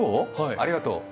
ありがとう。